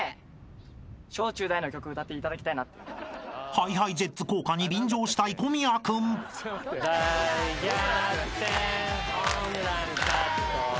［ＨｉＨｉＪｅｔｓ効果に便乗したい小宮君］よっしゃ！